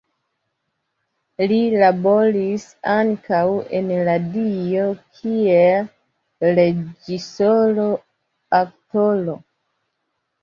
Li laboris ankaŭ en radio kiel reĝisoro, aktoro.